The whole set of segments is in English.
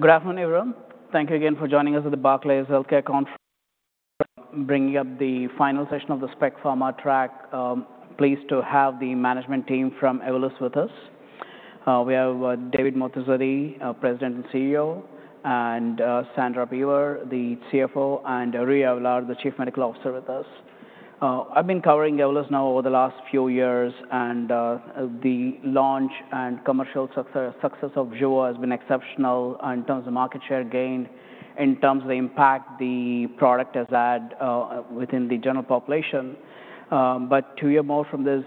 Good afternoon, everyone. Thank you again for joining us at the Barclays Healthcare Conference. Bringing up the final session of the Spec Pharma track, pleased to have the management team from Evolus with us. We have David Moatazedi, President and CEO, and Sandra Beaver, the CFO, and Rui Avelar, the Chief Medical Officer, with us. I've been covering Evolus now over the last few years, and the launch and commercial success of Jeuveau has been exceptional in terms of market share gained, in terms of the impact the product has had within the general population. To hear more from this,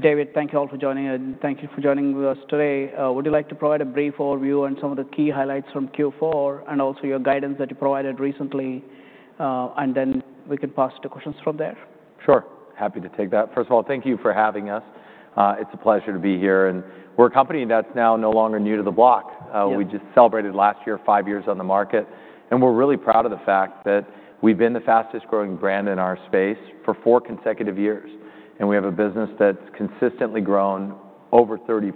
David, thank you all for joining, and thank you for joining with us today. Would you like to provide a brief overview and some of the key highlights from Q4, and also your guidance that you provided recently? We can pass to questions from there. Sure. Happy to take that. First of all, thank you for having us. It's a pleasure to be here. We're a company that's now no longer new to the block. We just celebrated last year five years on the market. We're really proud of the fact that we've been the fastest growing brand in our space for four consecutive years. We have a business that's consistently grown over 30%.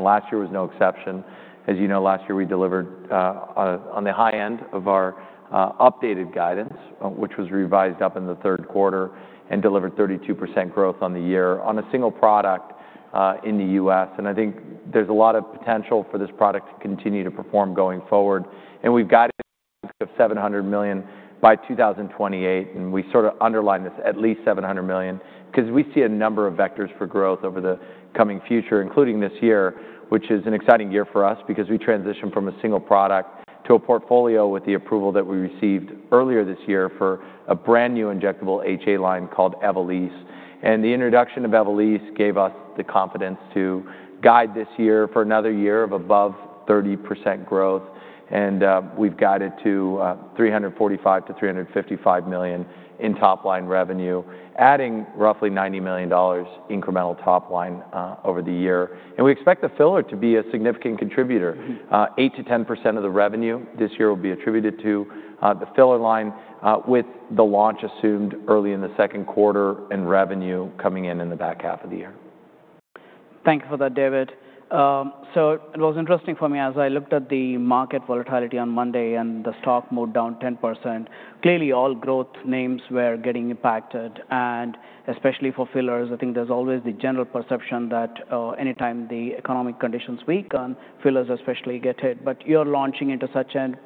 Last year was no exception. As you know, last year we delivered on the high end of our updated guidance, which was revised up in the third quarter, and delivered 32% growth on the year on a single product in the US. I think there's a lot of potential for this product to continue to perform going forward. We've guided a goal of $700 million by 2028. We sort of underline this at least $700 million, because we see a number of vectors for growth over the coming future, including this year, which is an exciting year for us, because we transitioned from a single product to a portfolio with the approval that we received earlier this year for a brand new injectable HA line called Evolysse. The introduction of Evolysse gave us the confidence to guide this year for another year of above 30% growth. We have guided to $345-$355 million in top-line revenue, adding roughly $90 million incremental top-line over the year. We expect the filler to be a significant contributor. 8%-10% of the revenue this year will be attributed to the filler line, with the launch assumed early in the second quarter and revenue coming in in the back half of the year. Thank you for that, David. It was interesting for me as I looked at the market volatility on Monday and the stock moved down 10%. Clearly, all growth names were getting impacted. Especially for fillers, I think there's always the general perception that anytime the economic conditions weaken, fillers especially get hit. You are launching into such an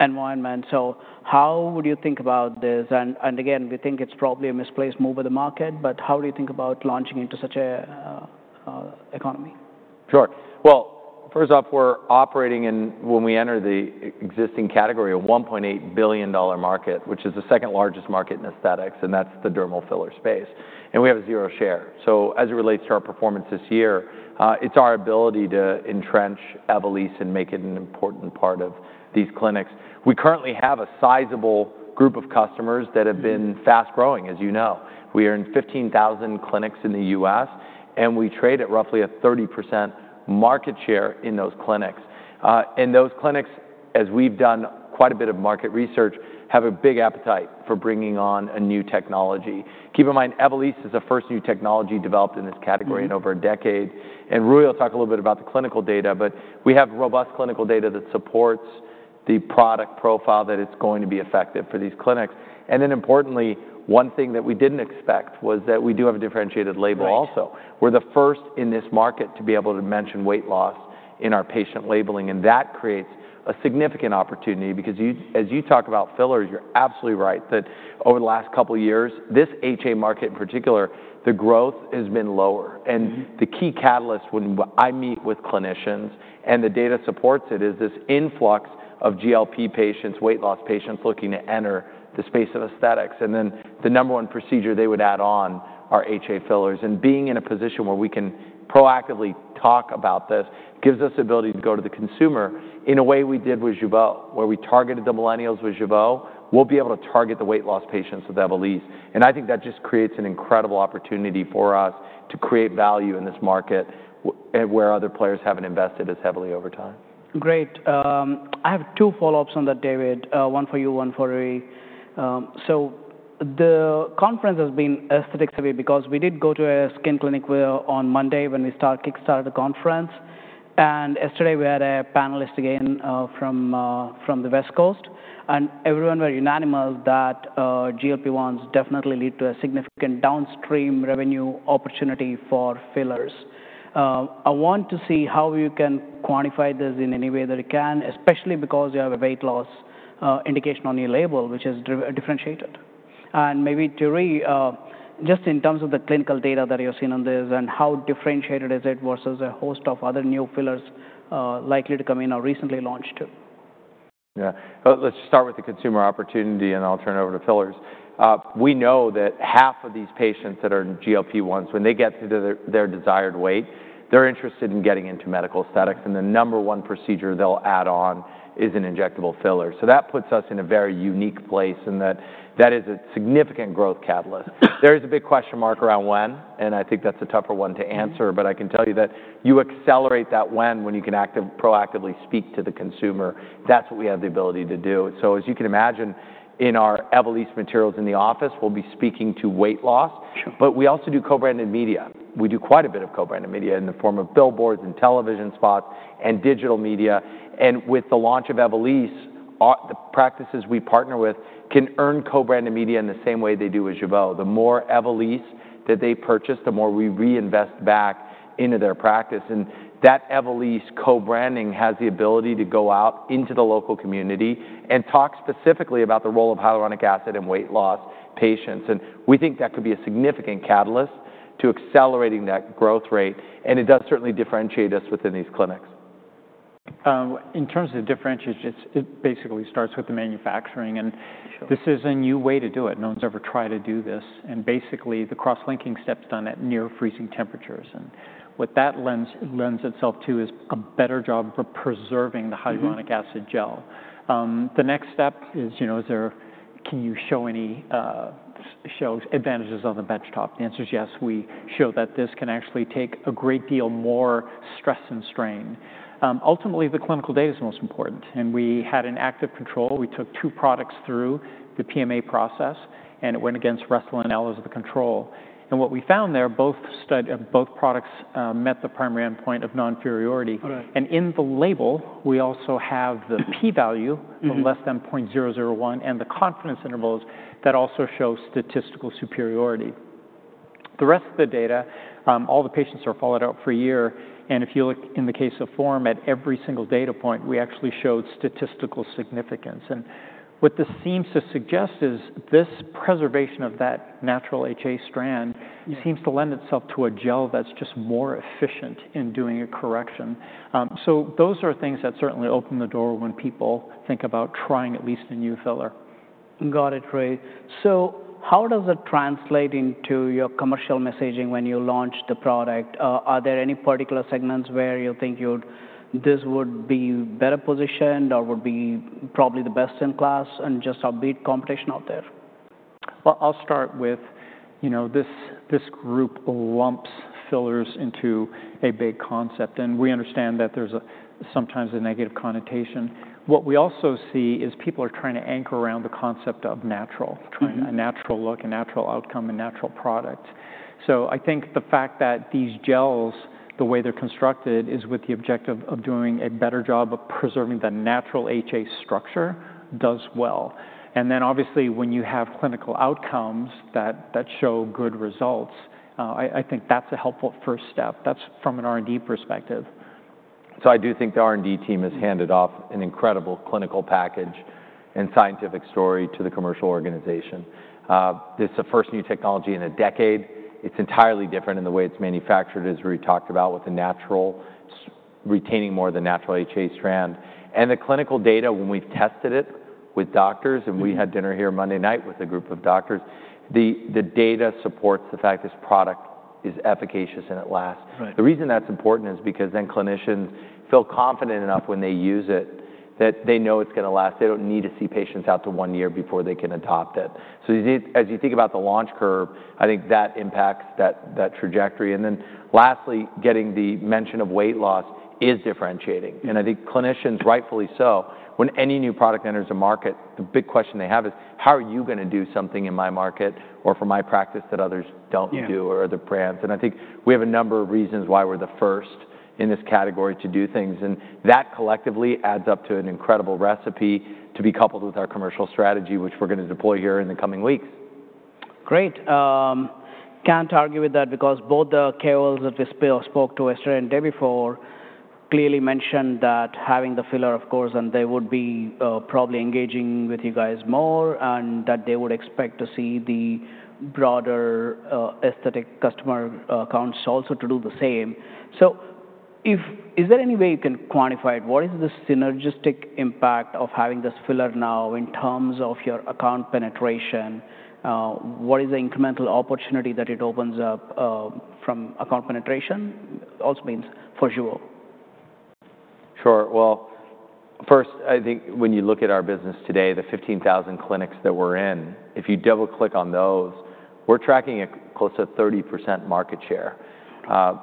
environment. How would you think about this? We think it's probably a misplaced move of the market. How do you think about launching into such an economy? Sure. First off, we're operating in, when we enter the existing category, a $1.8 billion market, which is the second largest market in aesthetics. That's the dermal filler space. We have zero share. As it relates to our performance this year, it's our ability to entrench Evolysse and make it an important part of these clinics. We currently have a sizable group of customers that have been fast growing, as you know. We are in 15,000 clinics in the U.S. We trade at roughly a 30% market share in those clinics. In those clinics, as we've done quite a bit of market research, they have a big appetite for bringing on a new technology. Keep in mind, Evolysse is the first new technology developed in this category in over a decade. Rui will talk a little bit about the clinical data. We have robust clinical data that supports the product profile that it's going to be effective for these clinics. Importantly, one thing that we didn't expect was that we do have a differentiated label also. We're the first in this market to be able to mention weight loss in our patient labeling. That creates a significant opportunity. As you talk about fillers, you're absolutely right that over the last couple of years, this HA market in particular, the growth has been lower. The key catalyst when I meet with clinicians and the data supports it is this influx of GLP-1 patients, weight loss patients looking to enter the space of aesthetics. The number one procedure they would add on are HA fillers. Being in a position where we can proactively talk about this gives us the ability to go to the consumer in a way we did with Jeuveau, where we targeted the millennials with Jeuveau. We'll be able to target the weight loss patients with Evolysse. I think that just creates an incredible opportunity for us to create value in this market where other players haven't invested as heavily over time. Great. I have two follow-ups on that, David. One for you, one for Rui. The conference has been aesthetics-heavy because we did go to a skin clinic on Monday when we kickstarted the conference. Yesterday we had a panelist again from the West Coast. Everyone was unanimous that GLP-1s definitely lead to a significant downstream revenue opportunity for fillers. I want to see how you can quantify this in any way that you can, especially because you have a weight loss indication on your label, which is differentiated. Maybe to Rui, just in terms of the clinical data that you've seen on this and how differentiated is it versus a host of other new fillers likely to come in or recently launched? Yeah. Let's start with the consumer opportunity, and I'll turn it over to fillers. We know that half of these patients that are GLP-1s, when they get to their desired weight, they're interested in getting into medical aesthetics. The number one procedure they'll add on is an injectable filler. That puts us in a very unique place in that that is a significant growth catalyst. There is a big question mark around when. I think that's a tougher one to answer. I can tell you that you accelerate that when you can proactively speak to the consumer. That's what we have the ability to do. As you can imagine, in our Evolysse materials in the office, we'll be speaking to weight loss. We also do co-branded media. We do quite a bit of co-branded media in the form of billboards, television spots, and digital media. With the launch of Evolysse, the practices we partner with can earn co-branded media in the same way they do with Jeuveau. The more Evolysse that they purchase, the more we reinvest back into their practice. That Evolysse co-branding has the ability to go out into the local community and talk specifically about the role of hyaluronic acid in weight loss patients. We think that could be a significant catalyst to accelerating that growth rate. It does certainly differentiate us within these clinics. In terms of differentiation, it basically starts with the manufacturing. This is a new way to do it. No one's ever tried to do this. Basically, the cross-linking step's done at near-freezing temperatures. What that lends itself to is a better job of preserving the hyaluronic acid gel. The next step is, can you show any advantages on the benchtop? The answer is yes. We show that this can actually take a great deal more stress and strain. Ultimately, the clinical data is most important. We had an active control. We took two products through the PMA process. It went against Restylane and Juvéderm as the control. What we found there, both products met the primary endpoint of non-inferiority. In the label, we also have the p-value, less than 0.001, and the confidence intervals that also show statistical superiority. The rest of the data, all the patients are followed out for a year. If you look in the case of Form, at every single data point, we actually showed statistical significance. What this seems to suggest is this preservation of that natural HA strand seems to lend itself to a gel that's just more efficient in doing a correction. Those are things that certainly open the door when people think about trying at least a new filler. Got it, Rui. How does it translate into your commercial messaging when you launch the product? Are there any particular segments where you think this would be better positioned or would be probably the best in class and just outbeat competition out there? I'll start with this group lumps fillers into a big concept. We understand that there's sometimes a negative connotation. What we also see is people are trying to anchor around the concept of natural, trying a natural look, a natural outcome, a natural product. I think the fact that these gels, the way they're constructed, is with the objective of doing a better job of preserving the natural HA structure does well. Obviously, when you have clinical outcomes that show good results, I think that's a helpful first step. That's from an R&D perspective. I do think the R&D team has handed off an incredible clinical package and scientific story to the commercial organization. This is a first new technology in a decade. It's entirely different in the way it's manufactured, as Rui talked about, with a natural retaining more of the natural HA strand. The clinical data, when we've tested it with doctors, and we had dinner here Monday night with a group of doctors, the data supports the fact this product is efficacious and it lasts. The reason that's important is because then clinicians feel confident enough when they use it that they know it's going to last. They don't need to see patients out to one year before they can adopt it. As you think about the launch curve, I think that impacts that trajectory. Lastly, getting the mention of weight loss is differentiating. I think clinicians, rightfully so, when any new product enters the market, the big question they have is, how are you going to do something in my market or for my practice that others do not do or other brands? I think we have a number of reasons why we are the first in this category to do things. That collectively adds up to an incredible recipe to be coupled with our commercial strategy, which we are going to deploy here in the coming weeks. Great. Can't argue with that because both the KOLs that we spoke to yesterday and the day before clearly mentioned that having the filler, of course, and they would be probably engaging with you guys more and that they would expect to see the broader aesthetic customer accounts also to do the same. Is there any way you can quantify it? What is the synergistic impact of having this filler now in terms of your account penetration? What is the incremental opportunity that it opens up from account penetration also means for Jeuveau? Sure. First, I think when you look at our business today, the 15,000 clinics that we're in, if you double-click on those, we're tracking a close to 30% market share.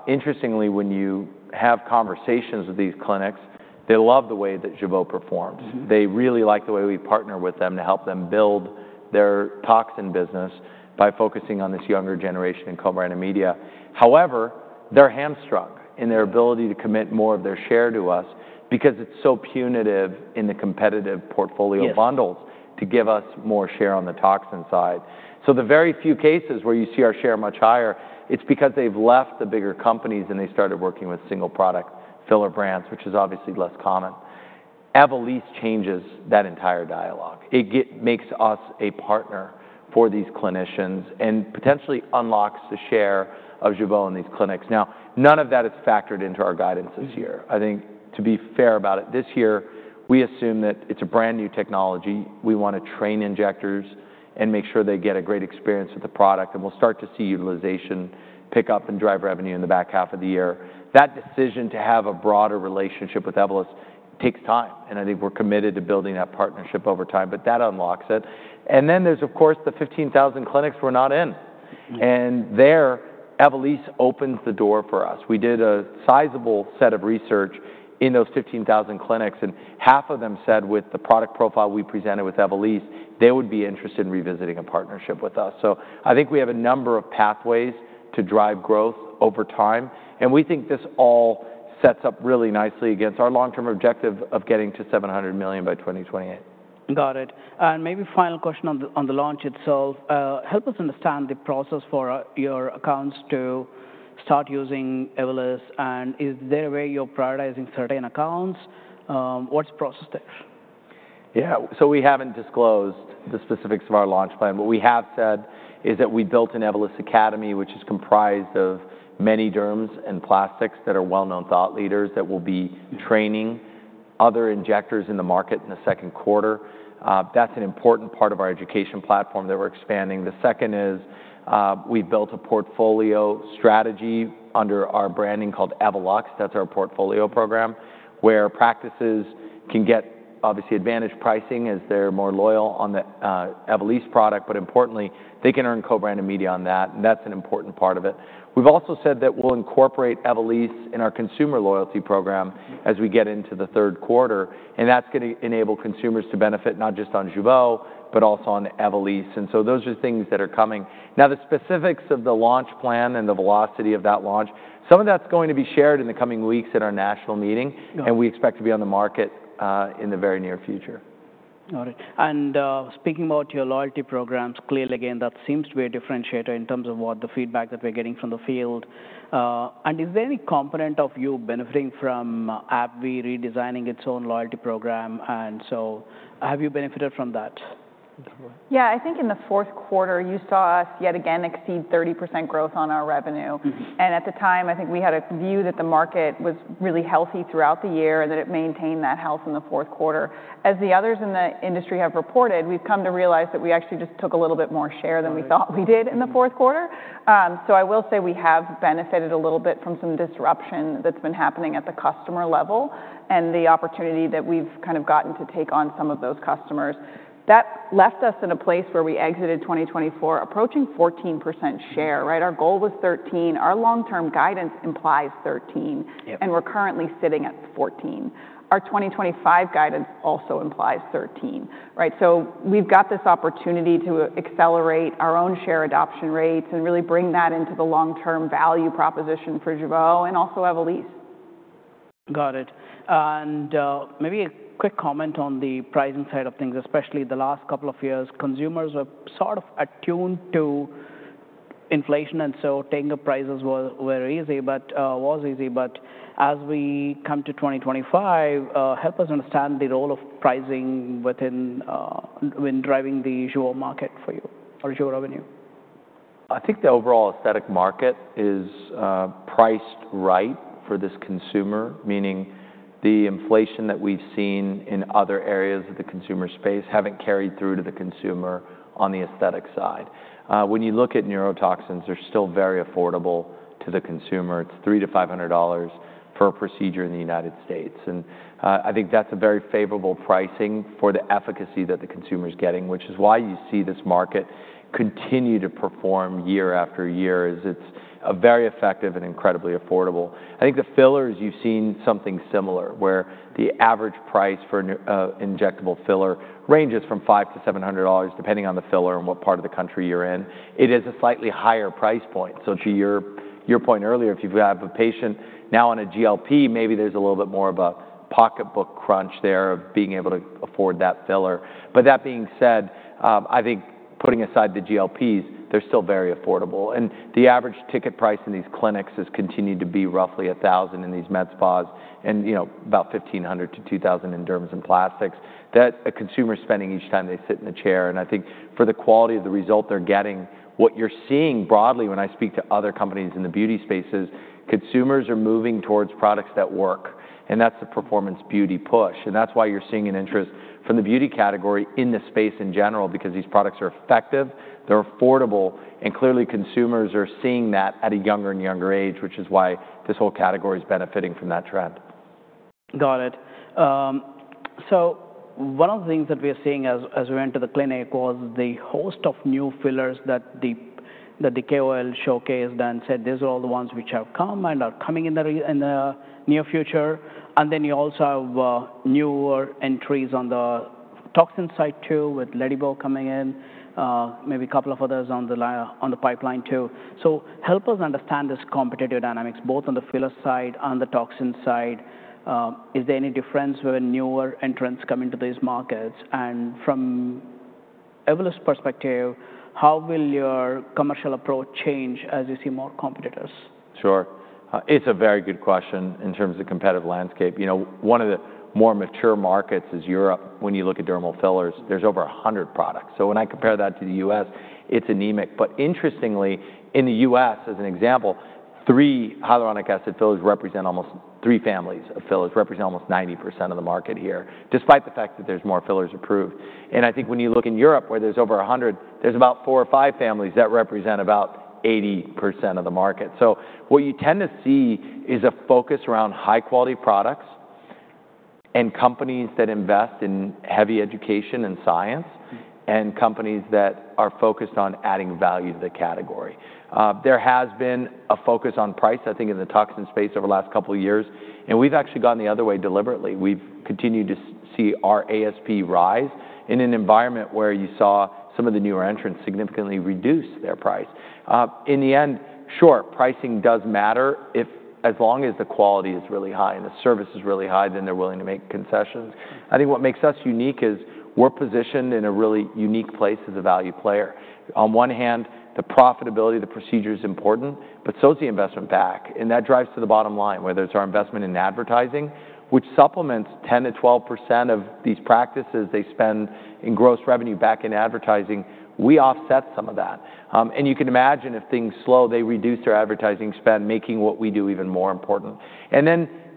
Interestingly, when you have conversations with these clinics, they love the way that Jeuveau performs. They really like the way we partner with them to help them build their toxin business by focusing on this younger generation in co-branded media. However, they're hamstrung in their ability to commit more of their share to us because it's so punitive in the competitive portfolio bundles to give us more share on the toxin side. In the very few cases where you see our share much higher, it's because they've left the bigger companies and they started working with single product filler brands, which is obviously less common. Evolysse changes that entire dialogue. It makes us a partner for these clinicians and potentially unlocks the share of Jeuveau in these clinics. Now, none of that is factored into our guidance this year. I think to be fair about it, this year, we assume that it's a brand new technology. We want to train injectors and make sure they get a great experience with the product. We will start to see utilization pick up and drive revenue in the back half of the year. That decision to have a broader relationship with Evolus takes time. I think we're committed to building that partnership over time. That unlocks it. There is, of course, the 15,000 clinics we're not in. There, Evolysse opens the door for us. We did a sizable set of research in those 15,000 clinics. Half of them said with the product profile we presented with Evolysse, they would be interested in revisiting a partnership with us. I think we have a number of pathways to drive growth over time. We think this all sets up really nicely against our long-term objective of getting to $700 million by 2028. Got it. Maybe final question on the launch itself. Help us understand the process for your accounts to start using Evolysse. Is there a way you're prioritizing certain accounts? What's the process there? Yeah. So we have not disclosed the specifics of our launch plan. What we have said is that we built an Evolus Academy, which is comprised of many derms and plastics that are well-known thought leaders that will be training other injectors in the market in the second quarter. That is an important part of our education platform that we are expanding. The second is we have built a portfolio strategy under our branding called Evolus. That is our portfolio program where practices can get obviously advantaged pricing as they are more loyal on the Evolysse product. Importantly, they can earn co-branded media on that. That is an important part of it. We have also said that we will incorporate Evolysse in our consumer loyalty program as we get into the third quarter. That is going to enable consumers to benefit not just on Jeuveau, but also on Evolysse. Those are things that are coming. Now, the specifics of the launch plan and the velocity of that launch, some of that's going to be shared in the coming weeks at our national meeting. We expect to be on the market in the very near future. Got it. Speaking about your loyalty programs, clearly again, that seems to be a differentiator in terms of what the feedback that we're getting from the field. Is there any component of you benefiting from AbbVie redesigning its own loyalty program? Have you benefited from that? Yeah. I think in the fourth quarter, you saw us yet again exceed 30% growth on our revenue. At the time, I think we had a view that the market was really healthy throughout the year and that it maintained that health in the fourth quarter. As the others in the industry have reported, we've come to realize that we actually just took a little bit more share than we thought we did in the fourth quarter. I will say we have benefited a little bit from some disruption that's been happening at the customer level and the opportunity that we've kind of gotten to take on some of those customers. That left us in a place where we exited 2024 approaching 14% share. Right? Our goal was 13. Our long-term guidance implies 13. And we're currently sitting at 14. Our 2025 guidance also implies 13. Right? We have this opportunity to accelerate our own share adoption rates and really bring that into the long-term value proposition for Jeuveau and also Evolysse. Got it. Maybe a quick comment on the pricing side of things, especially the last couple of years. Consumers were sort of attuned to inflation. Taking up prices was easy, but as we come to 2025, help us understand the role of pricing when driving the Jeuveau market for you, or Jeuveau revenue. I think the overall aesthetic market is priced right for this consumer, meaning the inflation that we've seen in other areas of the consumer space hasn't carried through to the consumer on the aesthetic side. When you look at neurotoxins, they're still very affordable to the consumer. It's $300-$500 for a procedure in the U.S. I think that's a very favorable pricing for the efficacy that the consumer's getting, which is why you see this market continue to perform year after year. It's very effective and incredibly affordable. I think the fillers, you've seen something similar where the average price for an injectable filler ranges from $500-$700 depending on the filler and what part of the country you're in. It is a slightly higher price point. To your point earlier, if you have a patient now on a GLP, maybe there's a little bit more of a pocketbook crunch there of being able to afford that filler. That being said, I think putting aside the GLPs, they're still very affordable. The average ticket price in these clinics has continued to be roughly $1,000 in these med spas and about $1,500-$2,000 in derms and plastics that a consumer's spending each time they sit in the chair. I think for the quality of the result they're getting, what you're seeing broadly when I speak to other companies in the beauty space is consumers are moving towards products that work. That's the performance beauty push. That is why you're seeing an interest from the beauty category in the space in general because these products are effective, they're affordable, and clearly consumers are seeing that at a younger and younger age, which is why this whole category is benefiting from that trend. Got it. One of the things that we are seeing as we went to the clinic was the host of new fillers that the KOL showcased and said, "These are all the ones which have come and are coming in the near future." You also have newer entries on the toxin side too with Letybo coming in, maybe a couple of others in the pipeline too. Help us understand this competitive dynamics both on the filler side and the toxin side. Is there any difference with newer entrants coming to these markets? From Evolus' perspective, how will your commercial approach change as you see more competitors? Sure. It's a very good question in terms of the competitive landscape. One of the more mature markets is Europe. When you look at dermal fillers, there's over 100 products. When I compare that to the U.S., it's anemic. Interestingly, in the U.S., as an example, three hyaluronic acid fillers represent almost three families of fillers that represent almost 90% of the market here, despite the fact that there's more fillers approved. I think when you look in Europe, where there's over 100, there's about four or five families that represent about 80% of the market. What you tend to see is a focus around high-quality products and companies that invest in heavy education and science and companies that are focused on adding value to the category. There has been a focus on price, I think, in the toxin space over the last couple of years. We have actually gone the other way deliberately. We have continued to see our ASP rise in an environment where you saw some of the newer entrants significantly reduce their price. In the end, sure, pricing does matter if as long as the quality is really high and the service is really high, then they are willing to make concessions. I think what makes us unique is we are positioned in a really unique place as a value player. On one hand, the profitability of the procedure is important, but so is the investment back. That drives to the bottom line, whether it is our investment in advertising, which supplements 10%-12% of these practices they spend in gross revenue back in advertising. We offset some of that. You can imagine if things slow, they reduce their advertising spend, making what we do even more important.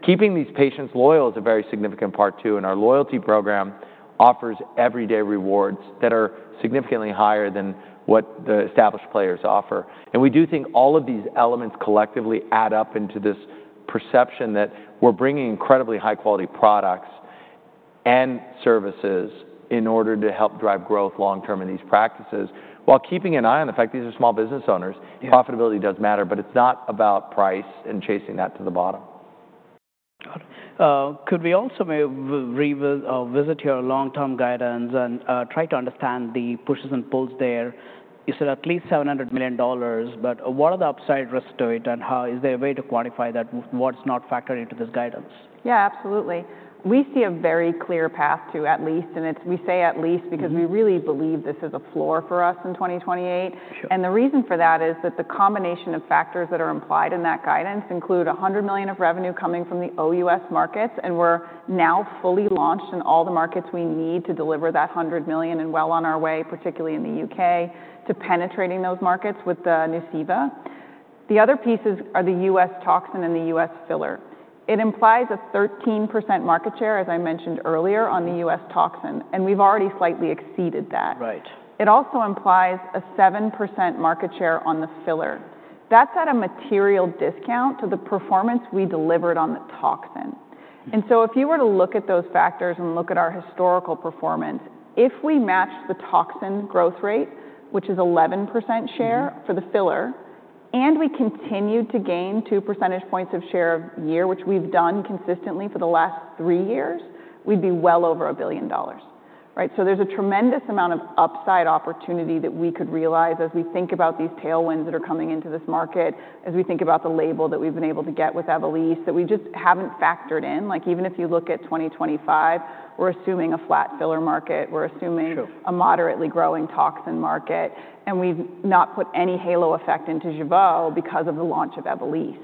Keeping these patients loyal is a very significant part too. Our loyalty program offers everyday rewards that are significantly higher than what the established players offer. We do think all of these elements collectively add up into this perception that we're bringing incredibly high-quality products and services in order to help drive growth long-term in these practices. While keeping an eye on the fact these are small business owners, profitability does matter, but it's not about price and chasing that to the bottom. Got it. Could we also maybe revisit your long-term guidance and try to understand the pushes and pulls there? You said at least $700 million, but what are the upside risks to it? Is there a way to quantify that what's not factored into this guidance? Yeah, absolutely. We see a very clear path to at least, and we say at least because we really believe this is a floor for us in 2028. The reason for that is that the combination of factors that are implied in that guidance include $100 million of revenue coming from the OUS markets. We're now fully launched in all the markets we need to deliver that $100 million and well on our way, particularly in the U.K., to penetrating those markets with the Nuceiva. The other pieces are the U.S. toxin and the U.S. filler. It implies a 13% market share, as I mentioned earlier, on the U.S. toxin. We've already slightly exceeded that. It also implies a 7% market share on the filler. That's at a material discount to the performance we delivered on the toxin. If you were to look at those factors and look at our historical performance, if we matched the toxin growth rate, which is 11% share for the filler, and we continued to gain 2 percentage points of share a year, which we've done consistently for the last three years, we'd be well over $1 billion. Right? There is a tremendous amount of upside opportunity that we could realize as we think about these tailwinds that are coming into this market, as we think about the label that we've been able to get with Evolysse that we just haven't factored in. Like even if you look at 2025, we're assuming a flat filler market. We're assuming a moderately growing toxin market. And we've not put any halo effect into Jeuveau because of the launch of Evolysse.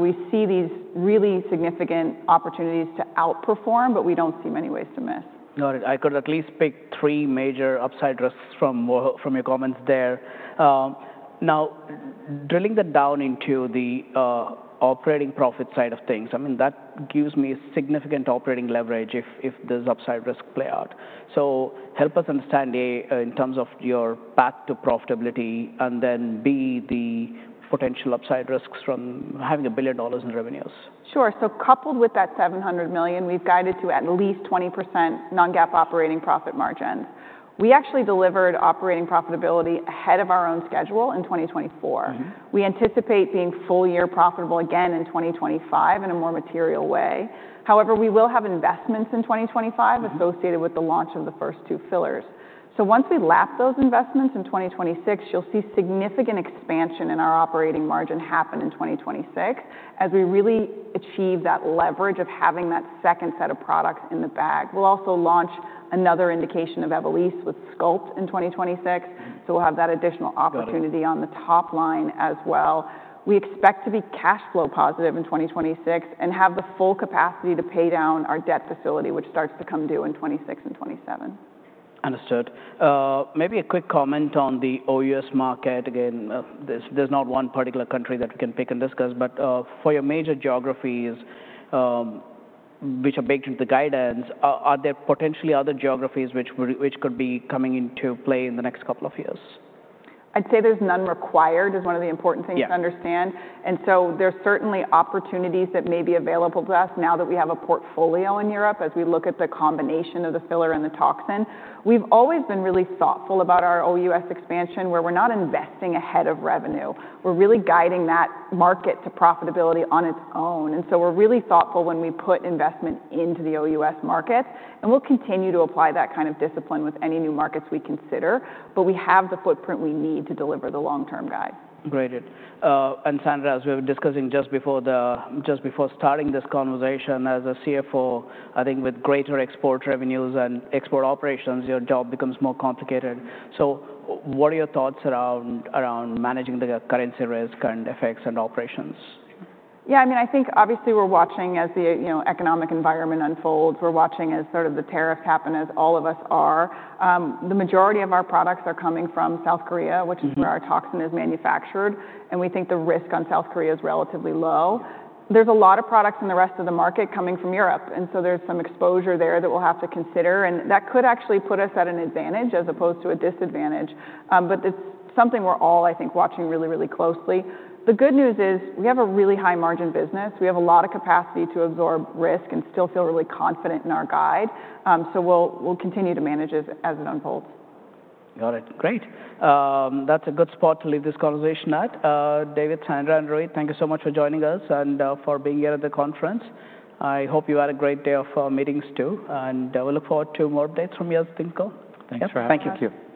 We see these really significant opportunities to outperform, but we don't see many ways to miss. Got it. I could at least pick three major upside risks from your comments there. Now, drilling that down into the operating profit side of things, I mean, that gives me significant operating leverage if there's upside risk play out. Help us understand A, in terms of your path to profitability, and then B, the potential upside risks from having $1 billion in revenues. Sure. So coupled with that $700 million, we've guided to at least 20% non-GAAP operating profit margins. We actually delivered operating profitability ahead of our own schedule in 2024. We anticipate being full year profitable again in 2025 in a more material way. However, we will have investments in 2025 associated with the launch of the first two fillers. Once we lap those investments in 2026, you'll see significant expansion in our operating margin happen in 2026 as we really achieve that leverage of having that second set of products in the bag. We'll also launch another indication of Evolysse with Sculpt in 2026. We'll have that additional opportunity on the top line as well. We expect to be cash flow positive in 2026 and have the full capacity to pay down our debt facility, which starts to come due in 2026 and 2027. Understood. Maybe a quick comment on the OUS market. Again, there's not one particular country that we can pick and discuss, but for your major geographies which are baked into the guidance, are there potentially other geographies which could be coming into play in the next couple of years? I'd say there's none required is one of the important things to understand. There are certainly opportunities that may be available to us now that we have a portfolio in Europe as we look at the combination of the filler and the toxin. We've always been really thoughtful about our OUS expansion where we're not investing ahead of revenue. We're really guiding that market to profitability on its own. We are really thoughtful when we put investment into the OUS market. We will continue to apply that kind of discipline with any new markets we consider, but we have the footprint we need to deliver the long-term guide. Great. Sandra, as we were discussing just before starting this conversation, as a CFO, I think with greater export revenues and export operations, your job becomes more complicated. What are your thoughts around managing the currency risk and effects and operations? Yeah, I mean, I think obviously we're watching as the economic environment unfolds. We're watching as sort of the tariffs happen as all of us are. The majority of our products are coming from South Korea, which is where our toxin is manufactured. We think the risk on South Korea is relatively low. There's a lot of products in the rest of the market coming from Europe. There's some exposure there that we'll have to consider. That could actually put us at an advantage as opposed to a disadvantage. It's something we're all, I think, watching really, really closely. The good news is we have a really high margin business. We have a lot of capacity to absorb risk and still feel really confident in our guide. We'll continue to manage as it unfolds. Got it. Great. That's a good spot to leave this conversation at. David, Sandra, and Rui, thank you so much for joining us and for being here at the conference. I hope you had a great day of meetings too. We look forward to more updates from you as things go. Thanks. Thank you.